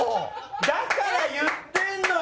だから言ってるのよ！